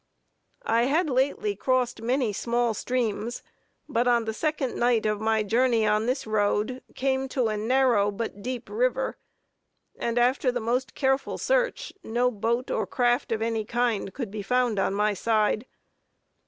I had lately crossed many small streams; but on the second night of my journey on this road, came to a narrow but deep river, and after the most careful search, no boat or craft of any kind could be found on my side.